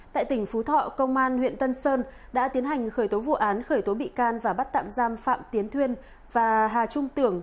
tại tỉnh phú thọ công an huyện tân sơn đã tiến hành khởi tố vụ án khởi tố bị can và bắt tạm giam phạm tiến thuyên và hà trung tưởng